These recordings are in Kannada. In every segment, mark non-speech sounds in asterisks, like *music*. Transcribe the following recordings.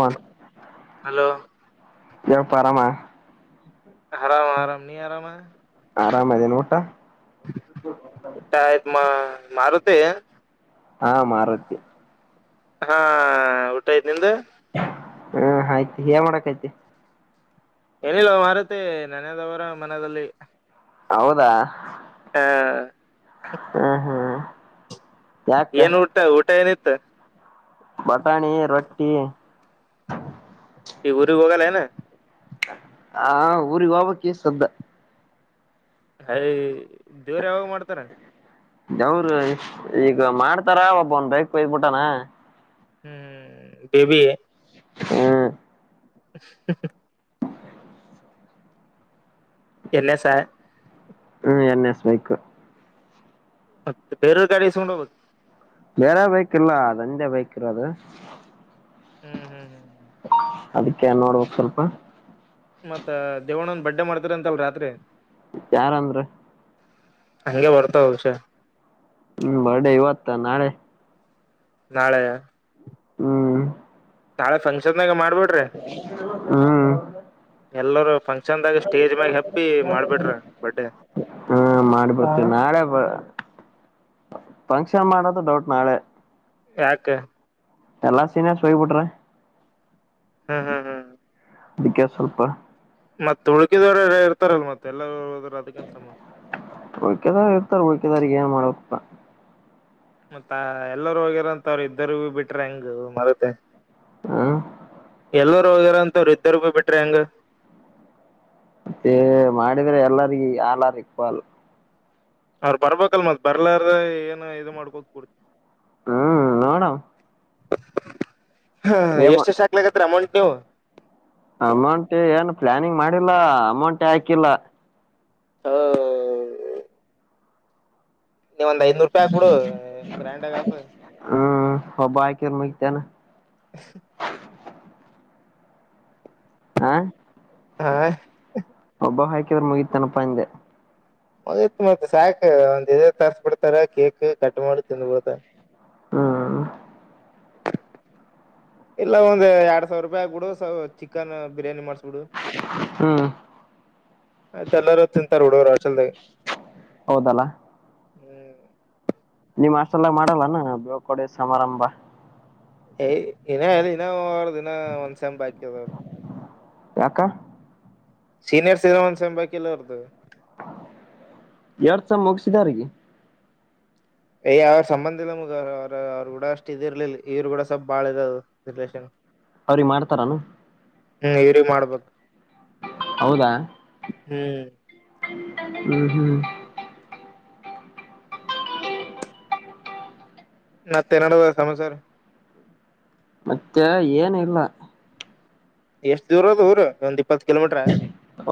ಫೋನ್ ಹಲೋ ಯಪ್ಪರಾಮ ಆರಾಮ ಆರಾಮ ನೀ ಆರಾಮ ಆರಾಮದನ ಊಟ ಟಪ ಮಾರು ತ ಹಾ ಮಾರತ್ತೆ ಹಾ ಊಟ ಐ್ತ್ ನಿದ ಹಾ ಆಯ್ತಿ ಏ ಮಾಡಕ್ಯ್ತ ಏನಿಲ್ಲ ವಾರತಿ ನನದವರ ಮನದಲ್ಲಿ ಹೌದಾ ಹಾ ಹ್ಮ್ ಹ್ಮ್ ಯಾಕ ಏನ್ ಊಟ ಊಟ ಏನಿತ್ತ ಬಟಾಣಿ ರೊಟ್ಟಿ ಈ ಗುರಿ ಹೋಗಲನೆ ಹಾ ವಾವ ಕೇಸ್ ಅಂತೆ ಅಯ ದೇವ್ ಯಾವಾಗ ಮಾಡ್ತಾರ ಯವರು ಈಗ ಮಾಡ್ತಾರ ಒಬ್ಬ ಒನ್ ಬೇಕ್ ಬಯಬಿಟ್ಟಾನ ಹ್ಮ್ ಬ ಬಿ ಹ್ಮ ಎನಸ ಹ್ಮ್ ಎನ್ನಸ್ಬೇಕು *unintelligible* ಬೇರೆ ಬೈಕ್ ಇಲ್ಲ ಅದೋಂದೇ ಬೈಕ್ ಇರೋದು ಹ್ಮ್ ಹ್ಮ್ ಹ್ಮ್ ಅದಕ್ಕೆ ನ್ ನೋಡ್ಬೇಕಕ್ ಸ್ವಲ್ಪ ಮತ್ತತ್ ದೇವಣ್ಣ ಒಂದ ಬಡ್ಡೆ ಮಾಡ್ತಾರ ಅಂತಲ್ ರಾತ್ರಿ ಯಾರಂದ್ರ ಹಂಗಗೆ ಬರ್ತಾ ಹೌಷ ಹ್ಮ್ ಬರ್ಡೇ ಇವತ ನಾಳೆ ನಾಳೆಯ ಹ್ಮ್ ತಾಳೆಫಕ್ಷನ್ ಹ್ಮ್ ಎಲ್ಲರೂ ಫಂಕ್ಷನ್ದಾಗ ಸ್ಟೇಜ್ ಮ್ಯಾಗ ಹತ್ತಿ ಮಾಡ್ಬಿಟ್ರು ಬರ್ಡೇ ಹಾ ಮಾಡಿ *unintelligible* ನಾಳೆ ಫಂಕ್ಷನ್ ಮಾಡೋದು ಡೌಟ್ ನಾಳೆ ಯಾಕೇ ಎಲ್ಲಾ ಸೀನ *unintelligible* ಬಿಟ್ರೆ ಹ್ ಹ್ ಹ್ ಅದಕ್ಕೆ ಸ್ವಲ್ಪ ಮತ್ತತ್ ಉುಳ್ಕಿದವ್ರ ಇರ್ತಾರಲ್ ಮತ್ತೆ ಎಲ್ಲದ್ರ ಅದಕ್ಕನ್ ಸಮ ಹುಳ್ಕಿದಾರಗ ಏನ್ *unintelligible* ಮತ್ತ ಎಲ್ಲರೂ ಹೋಗಿರಂತ ಅವ್ರರು ಇದರು ಬಿಟ್ರ ಹೆಂಗ ಮರುದೆ ಹ್ಮ ಎಲ್ಲರು ಹೋಗಾರ ಅಂತವರು ಇದ್ದರು ಬಿಟ್ರೆ ಹೆಂಗ ಹೇ ಮಾಡಿದ್ರೆ ಎಲ್ಲರಿಗ ಆಲ್ಲ್ ಅರ್ ಇಕ್ವಲ್ ಅವ್ರ ಬರ್ಬೇಕಲ್ ಮತ್ ಬರ್ಲಾರ ಏನು ಇದು ಮಾಡ್ಕೋಕ್ಡುದ ನಡಾ *unintelligible* *inaudible* ಅಮೌಂಟ್ ಏನು ಪ್ಲಾನಿಂಗ್ ಮಾಡಿಲ್ಲ ಅಮೌಂಟೆ ಹಾಕಿಲ್ಲ *inaudible* ನೀವ ಒಂದ್ ಐದ್ನೂರು ರೂಪಾಯಿ ಕೊಡು ಗ್ರ್ಯಾಂಡ್ ಆಗ *unintelligible* *inaudible* *inaudible* ಹಾ ಹಾ *unintelligible* *unintelligible* *inaudible* ಮಗತ್ ಮತ್ ಸಾಯಕ್ಕೆ ಒಂದ್ ತರ್ಸ್ ಬಿಡ್ತಾರೆ ಕೇಕ್ ಕಟ್ ಮಾಡಿ ತಿನ್ಬೋಕ ಹ್ಮ ಇಲ್ಲ ಒಂದ್ ಅರು ಸಾವಿರ ರೂಪಾಯಿ ಆಕ್ಬಿಡು ಚಿಕನ್ ಬಿರಿಯಾನಿ ಮಾಡ್ಸಕೊಂತಿನಿ ಹ್ಮ್ ಆಯ್ತ ಎಲ್ಲಾರೂ ತಿಂತಾರೆ ಬಿಡು ರಚಲ್ದ ಹೌದಲ ಹ್ಮ್ ನಿಮ್ ಹಷ್ಟಲ್ಲಗ ಮಾಡಲ್ಲೇನು ಬೇಳ್ಕಡೆ ಸಮಾರಂಭ *inaudible* ಯಕ್ಕ ಸೀನಿಯರ್ *inaudible* *unintelligible* ಎರಡ್ ಸ ಮುಗಸಿದಾರಿಗೆ ಯ ಅವ್ರ ಸಂಬಂಧ ಇಲ್ಲ ಮುಗ ಅವ್ರ ಅವ್ರರು ಕೂಡ ಅಷ್ಟ್ ಇದಿ ಇರ್ಲಿಲ್ಲ ಇವ್ರು ಕೂಡ ಸ್ವಲ್ಪ್ ಬಾಳ ಇ ರಿಲಷನ್ ಅವ್ರೀ ಮಾಡ್ತಾರಾನ ಹ್ಮ್ ಇವ್ರ ಮಾಡ್ಬೇಕು ಹೌದಾ ಹ್ಮ್ *unintelligible* *unintelligible* ಸಮಾಚರ ಮತ್ತೆ ಏನ ಇಲ್ಲ ಎಷ್ಟ್ ದೂರ ಅದ ಊರು ಒಂದ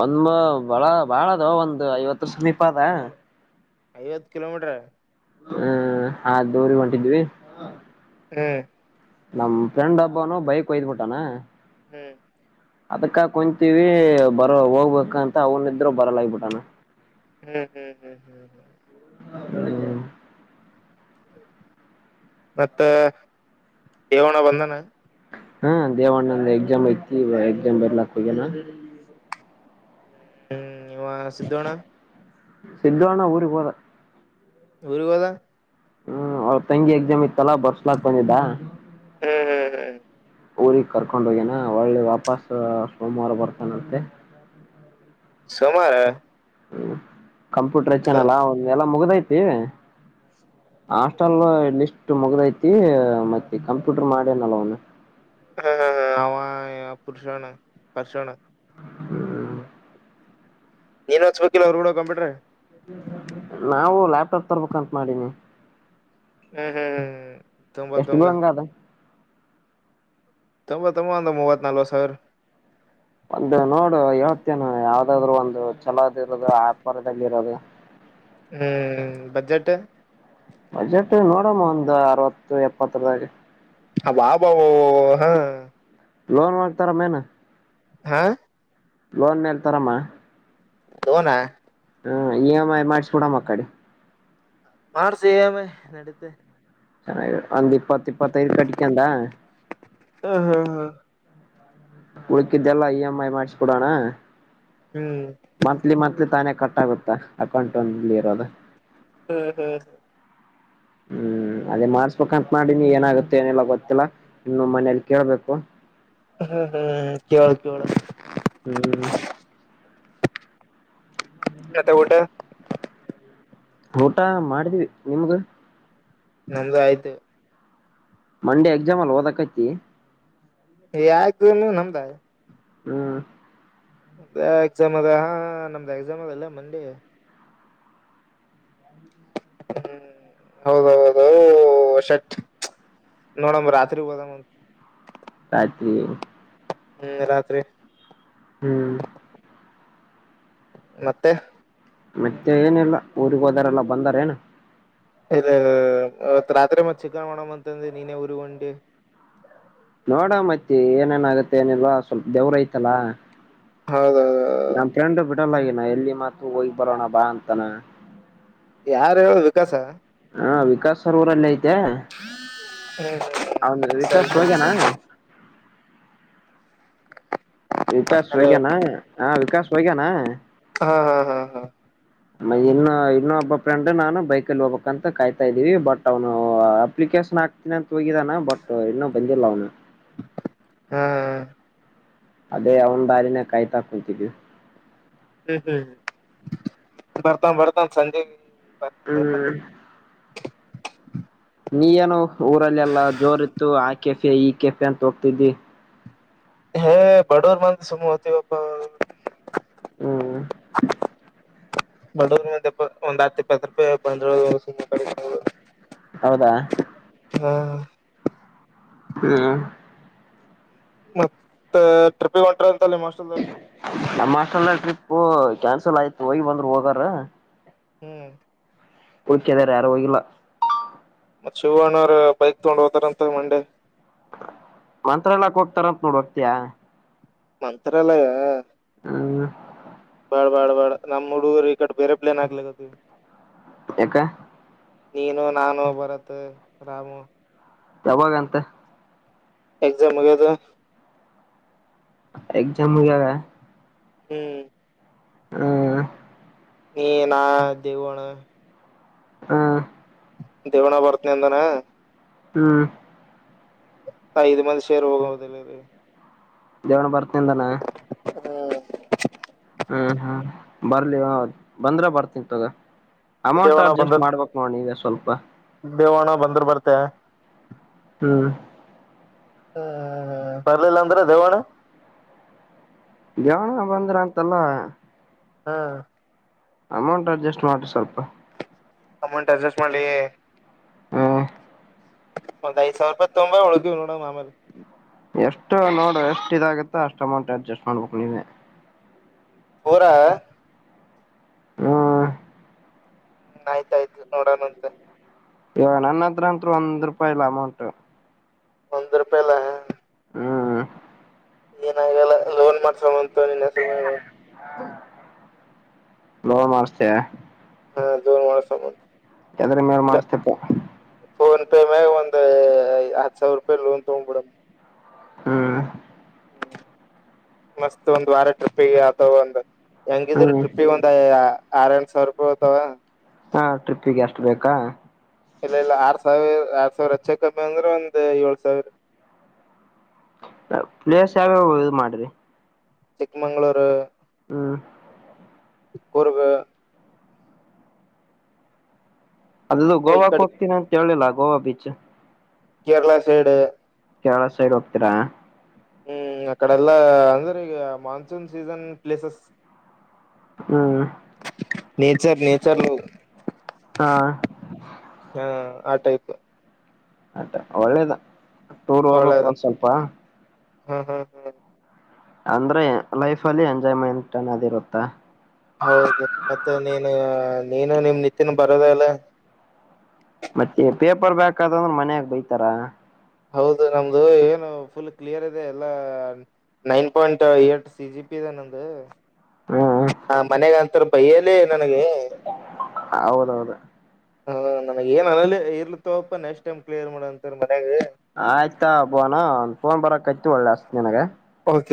ಒಂದ ಬಳ ಬಾಳದು ಒಂದು ಐವತ್ತುರ ಸಮೀಪ ಅದ ಐವತ್ತು ಕಿಲೋಮೀಟರ್ ಹ್ಮ್ ಆ ದೂರಿ ಹೊಂಟಿದ್ವಿ ಹ್ಮ್ ನಮ್ ಫ್ರೆಂಡ್ ಹಬ್ಬನು ಬೈಕ್ ಒಯ್ದ್ಬಿಟ್ಟಾನ ಹ್ಮ್ ಅದಕ್ಕ ಕುಂತೀವಿ ಬರೋ ಹೋಗ್ಬೇಕ ಅಂತ ಅವನಿದ್ರರು ಬರಲ್ಲ ಆಗಬಿಟ್ಟಾನ ಹ್ಮ್ ಹ್ಮ್ ಹ್ಮ್ ಹ್ಮ್ ಹ್ಮ್ ಹ್ಮ್ ಮತ್ತ ಯವಣ ಬಂದನ ಹ್ಮ ದೇವಣ್ಣಂದ ಎಕ್ಸಾಮ್ ಐತಿ ಎಕ್ಸಾಮ್ ಬರ್ಲಾಕ್ ಹಗ್ಯನಾ ಹ್ಮ್ ಇವ ಸಿದ್ದೋಣ್ಣ ಸಿದ್ದಣ್ಣ ಊರುಗೆ ಹೋದ ಊರು ಹೋದಾ ಹ್ಮ್ ಅವ್ರ ತಂಗಿ ಎಕ್ಸಾಮ್ ಇತ್ತಲ್ಲ ಬರ್ಸ್ಲಾಕ್ ಬಂದಿದ್ದ ಹ್ಮ್ ಹ್ಮ್ ಹ್ಮ್ ಊಗ್ ಕರ್ಕೊಂಡ್ ಹೋಗ್ಯನಾ ಒಳ್ಳೆ ವಾಪಸ್ ಸೋಮವಾರ ಬರ್ತಾನಂತೆ ಸೋಮವಾರ ಹ್ಮ್ ಕಂಪ್ಯೂಟರ್ ಹೆಚ್ಚೇನಲ್ಲ ಒಂದ ಎಲ್ಲಾ ಮುಗ್ದೈತಿ ಹಾಸ್ಟಲ್ ಲಿಸ್ಟ್ ಮುಗ್ದೈತಿ ಮತ್ತೆ ಕಂಪ್ಯೂಟರ್ ಮಾಡಿನಲ್ವನು ಹ ಅವ ಪುರುಷೋನ ಪರ್ಷಣ ಹ್ಮ್ ನೀನ್ ಹೊಚ್ಕಿಲ್ಲವ ಅರುಣ್ ಕಂಪ್ಯೂಟರ್ ಆಗ ನಾವು ಲ್ಯಾಪ್ಟಾಪ್ ತರ್ಬೇಕಂತ ಮಾಡೀನಿ ಹ್ಮ್ ಹ್ಮ್ ಹ್ಮ್್ಮ ಎಷ್ಟು ಬೀಳಂಗ ಅದ *unintelligible* ಅಂದು ಮೂವತ್ತು ನಾಲ್ವತ್ತು ಸಾವಿರ ಒಂದು ನೋಡು ಹೇಳ್ತೇನೆ ಯಾವ್ದಾದ್ರು ಒಂದು ಛಲೋದ್ ಇರೋದು ಆಪರದಲ್ಲಿ ಇರೋದು ಹ್ಮ್ ಬಜೆಟ್ ಬಜೆಟ್ ನೋಡಮ್ಮ ಒಂದು ಅರವತ್ತು ಎಪ್ಪತ್ತರದಾಗ ಹ ವಾಬ ಹಾ ಲೋನ್ ಮಾಡ್ತಾರ ಮೇನಾ ಹಾ ಲೋನ್ ಮೇಲ್ ತರಮ್ಮ ಲೋನಾ ಹ ಇ ಎಮ್ ಐ ಮಾಡ್ಸಬೊಡ್ ಅ ಕಡೆ ಮಾಡಶು ಈ ಎಂ ಐ ನಡತೆ ಚೆನ್ನ ಅಂದ ಇಪ್ಪತ್ತು ಇಪ್ಪತ್ತೈರು ಕಟ್ಟಿಕಂತಾ ಹ ಹ ಹ ಉಳಕಿದ್ದೆಲ್ಲಾ ಇ ಎಮ್ ಐ ಮಾಡ್ಸಿಕೊಡೋಣ ಹ್ಮ್ ತಾನೇ ಕಟ ಆಗುತ್ತಾ ಅಕೌಂಟ್ ಒಂದ ಇರೋದ ಹ್ಮ್ ಹ್ಮ್ ಹ್ಮ ಹ್ಮ್ ಹ್ಮ ಅದೇ ಮಾಡ್ಸ್ಬೇಕಂತ ಮಾಡಿನಿ ಏನಾಗುತ್ತೆ ಏನೆಲ್ಲ ಗೊತ್ತಿಲ್ಲಾ ಇನ್ನು ಮನೇಲಿ ಕೇಳ್ಬೇಕು ಹ ಹಾ ಕವ ಕವಳ ಹ್ಮ್ ಮತ್ತ ಊಟ ಊಟ ಮಾಡಿದ್ವಿ ನಿಮ್ಗ ನಮ್ದ ಆಯ್ತು ಮಂಡೆ ಎಕ್ಸಾಮ್ ಅಲ್ಲಿ ಓದಕೈತಿ ಆಯ್ಕ ಏನು ನಮ್ದಾಯ ಹ್ಮ್ ಎಕ್ಸಾಮ್ ಅದ ಹ ನಮ್ದ ಎಕ್ಸಾಮ್ ಅದಲ್ಲ ಮಂಡೇ ಹ್ಮ್ ಹೌದ ಹೌದು ಷಟ್ ನೋಡಮ್ಮ ರಾತ್ರಿ ಹೋದ ಕಾಯತ್ರಿ ಹ್ಮ್ ರಾತ್ರಿ ಹ್ಮ್ ಮತ್ತೆ ಮತ್ತೆ ಏನಿಲ್ಲ ಊಗ್ ಹೋದರೆಲ್ಲ ಬಂದಾರ ಏನ ಇತ್ ರಾತ್ರಿ ಮತ್ ಚಿಕ್ಕನ್ ಹಡಮ ಅಂತಂದ್ರೆ ನೀನೇ ಉರಿ ಒನ್ ಿ ನೋಡ ಮತ್ತೆ ಏನೇನಾಗತ್ತೆ ಏನಿಲ್ವಾ ಸ್ವಲ್ಪ ದೇವ್ರ ಐತಲ್ಲಾ ಹೌದೌದು ನಮ ಫ್ರೆಂಡ್ು ಬಿಡಲ್ಲಗನ ಎಲ್ಲಿ ಮಾತ್ ಹೋಗ್ ಬರೋಣ ಬಾ ಅಂತಾನ ಯಾರ ಹೇಳ ವಿಕಾಸ ಹಾ ವಿಕಾಸ್ ಸರವರಲ್ಲ ಐತೆ ಹ್ಮ್ ಹೌದ ಸರಿ ವಿಕಾಶ್ ಸರಿ ಹಗ್ಯನಾ ಸರಿ ವಿಕಾಸ್ ಹಲೋ ಹಗನಾ ಹಾ ವಿಕಾಸ್ ಹಗನಾ ಹಾ ಹಾ ಹಾ ಹಾ ಮ ಇನ್ನು ಇನ್ನೊಬ್ಬ ಫ್ರೆಂಡ್ ನಾನು ಬೈಕಲ್ಲಿ ಹೋಗ್ಬೇಕಕ್ ಅಂತ ಕಾಯ್ತಾ ಇದ್ದೀವಿ ಬಟ್ ಅವನು ಅಪ್ಲಿಕ ಾಕ್ತೀನಿ ಅಂತ ಹೋಗಿದಾನ ಬಟ್ ಇನ್ನುೂ ಬಂದಿಲ್ಲ ಅವನ ಹಾ ಅದೇ ಅವನ್ ದಾಲಿನ ಕಾಯತಾಕುಂತಿದ್ದು ಹ್ಮ್ ಹ್ಮ್ ಹ್ಮ್ ಬರ್ತಾನ್ ಬರ್ತಾನ್ ಸಂಜೆ ಬರ್ತಾನ ಬರ್ತಾನ ಹ್ಮ್ ನೀ ಏನು ಊರಲ್ಲೆಲ್ಲಾ ಜೋರ್ ಇತ್ತು ಆ ಕೆಫೆ ಈ ಕೆಫೆ ಅಂತ ಹೋಗ್ತಿದಿ ಹ ಬಡೋರ್ ಮಂದ ಸಮಹತಿ ಬಬ ಹ್ಮ ಬಡೂರ್ ಮಂದೆ ಒಂದ್ ಹತ್ತು ಇಪ್ಪತ್ತು ರೂಪಾಯಿ ಬಂದ್ರು ಹೌದಾ ಹಾ ಹ್ಮ ಮತ್ತ ಟ್ರಿಪ್ಪಿ ಹೊಂಟ್ರ ಅಂತಲ್ಲ ಮಸ್ಲ್ದಾರ ನಮ್ಮ ಟ್ರಿಪ್ ಕ್ಯಾನ್ಸಲ್ ಆಯ್ತು ಹೋಗಿ ಬಂದ್ರರು ಹೋಗಾರ ಹ್ಮ್ ಓಕಾದಾರ ಯಾರು ಹೋಗಿಲ್ಲ ಮತ್ತ್ ಶಿವಣ ಅವ್ರ ಬೈಕ್ ತಗೊಂಡ್ ಹೋತಾರಂತ ಮಂಡೆ ಮಂತ್ರ ಎಲ್ಲಕ್ ಹೋಗ್ತಾರಂತ ನೋಡ್ ಹೋಗ್ತಯಾ ಮಂತ್ರತ್ರಾಲಯ ಹ್ಮ ಬಾಳ್ ಬಾಳ್ ಬಾಳ ನಮ್ ಹುಡುಗರು ಈ ಕಡೆ ಬೇರೆ ಪ್ಲೇನ್ ಆಗ್ಲಿಕ್ಕ ಎಕ್ಕ ನೀನು ನಾನು ಬರತ್ತ ರಾಮು ಯಾವಾಗಂತ ಎಕ್ಸಾಮ್ ಹಗೆದು ಎಗ್ಜಾಮ ಮುಗೆಾಗ ಹ್ಮ್ ಹ್ಮ ನೀ ನಾ ದೇವಣ ಹಾ ದೇವಣ್ಣ ಬರ್ತ್ನ ಅಂದನ ಹ್ಮ್ ಇದು ಮಂದಿ ಶೇರ್ ಹೋಗ ಅದಲ್ಲೆಯಲ್ಲಿ ಜವನ ಬರ್ತೀಿಂದಾನ ಹ್ಮ್ ಹ್ಮ್ ಹ್ಮ ಬರ್ಲಿ ಬಂದ್ರ ಬರ್ತನ್ ತಗ ಅಮೌಂಟ್ ದೇವಣ ಅಡ್ಜಸ್ಟ್ ಬಂದರ್ ಮಾಡ್ಬೇಕು ನೋಡಿ ಈಗ ಸ್ವಲ್ಪ ದೇವಣ ಬಂದ್ರ ಬರ್ತೆ ಹ್ಮ ಹ್ಮ್ ಬರ್ಲಿಲ್ಲ ಅಂದ್ರೆ ದೇವಣ ಜವನ ಬಂದ್ರ ಅಂತಲ್ಲ ಹಾ ಅಮೌಂಟ್ ಅಡ್ಜಸ್ಟ್ ಮಾಡ್ರಿ ಸ್ವಲ್ಪ ಅಮೌಂಟ್ ಅಡ್ಜಸ್ಟ್ ಮಾಡಲಿ ಹ್ಮ್ ಒಂದ್ ಐದ ಸಾವಿರ ರತ್ ತೊಂಬ ಒಳಗಿವವ್ ನೋಡ ಆಮೇಲೆ ಎಷ್ಟು ನೋಡು ಎಷ್ಟು ಇದಾಗುತ್ತೋ ಅಷ್ಟು ಅಮೌಂಟ್ ಅಡ್ಜಸ್ಟ್ ಮಾಡ್ಬೇಕು ನೀವೇ ಹರಾ ಹ್ಮ್ ಹ್ಮ್ ಆಯ್ತಾಯ್ತು ನೋಡೋಣಂತ ಇಯ ನನ್ನದ್ರಂತ್ ಒಂದ್ ರೂಪಾಯಿ ಇಲ್ಲ ಅಮೌಂಟ್ ಒಂದ ರಪಾಯಲ್ಲ ಹ್ಮ್ ಏನಾಗಲ್ಲ ಲೋನ್ ಮಾಡ್ಸಂತ ನಿನ್ ಹೆಸರು ನ ಮಾರ್ಚ್ ಹಾ ದೋನ್ ಮಾಡಸ ಎದರ ಮೇಲೆಮನಸತೆಪ್ಪ ಮಗ ಒಂದು ಹತ್ತು ಸಾವಿರ ರೂಪಾಯಿ ಲೋನ್ ತೋಗ ಬಿಡ ಹ್ಮ್ ಹ್ಮ ಮಸ್ತ್ ಒಂದು ವಾರ ಟ್ರಿಪ್ ಅಗ್ತಾ ಒಂದು ಹೆಂಗಿದ್ರ ಹ್ಮ್ ಟ್ರಿಪ್ಪಿಗೆಗ ಒಂದ್ ಆರ ಎರಡು ಸಾವಿರ ರೂಪಾಯಿ ಹತಾವ ಹಾ ಟ್ರಿಪ್ಪಿಗೆ ಎಷ್ಟು ಬೇಕಾ ಇಲ್ಲ ಇಲ್ಲ ಆರ್ ಸಾವಿರ ಆರ್ ಸಾವಿರ ಹಚ್ಚ ಕಮ್ಮಿ ಅಂದ್ರೆ ಒಂದ್ ಏಳ್ ಸಾವಿರ *inaudible* ಪ್ಲೇರ್ಸ್ ಯಾವ ಇ ಮಾಡ್ರಿ ಚಿಕ್ಕಮಂಗ್ಗಳೂರು ಹ್ಮ್ ಕುರ್ಗ ಅದದು ಈ ಗೋವಾಕ್ಕೆ ಕಡೆ ಹೋಗ್ತೀನಿ ಅಂತ ಹೇಳಿಲ್ಲ Goa beach Kerala side Kerala side ಹೋಗ್ತೀರಾ ಹ್ಮ್ ಅಕಡೆಲ್ಲಾ ಅಂದ್ರೆ ಈಗ ಮಾನ್ಸೂನ್ ಸೀಸನ್ ಪ್ಲೇಸಸ್ ಹ್ಮ್ ನೇಚರ್ ನೇಚರ್ ಹಾ ಹ ಟೈಪ್ *unintelligible* ಅತ್ತಾ ಒಳ್ಳೇದ ಟೂರ್ ಹೋಗ್ಬೇಕಕ್ು ಒಂದ್ ಸ್ವಲ್ಪ ಹಾ ಹಾ ಹಾ ಅಂದ್ರೆ ಲೈಫ್ ಅಲ್ಲಿ ಎಂಜಾಯ್ಮೆಂಟ್ ಅನದ ಇರುತ್ತ ಹ ನೀನು ನಿಮ್ ನಿತ್ಯನ ಬರೋದ ಅಲ್ಲ ಮತ್ತೆ ಪೇಪರ್ ಬ್ಯಾಕ್ ಅ ಅಂದ್ರೆ ಮನ್ಯಾಗ ಬೈತಾರ ಹೌದು ನಮ್ದು ಏನು ಫುಲ್ ಕ್ಲಿಯರ್ ಇದೆ ಎಲ್ಲ *unintelligible* nine point eight C G P ದ ನದು ಹ್ಮ್ ಹ ಮನೆಗಂತರ ಬೈಯಲ್ಲಿ ನನಗೆ ಹೌದೌದು ಹ ನನ ಏನೇ ಇರ್ಲತವಪ್ಪ ನೆಕ್ಸ್ಟ್ ಟೈಮ್ಿಯರ್ ಮಾಡ ಅಂತ ಆಯ್ತಾಬೋಾನ ಒಂದ ಫೋನ್ ಬರಕೈತಿ ಒಳ್ಳೆ ಅಸ್ತತ್ ನಿನಗ ಸ ಸ